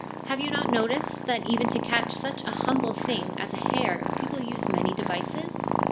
Have you not noticed that even to catch such a humble thing as a hare people use many devices?